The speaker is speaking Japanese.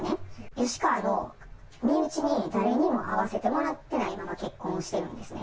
吉川の身内に誰にも会わせてもらってないまま結婚してるんですね。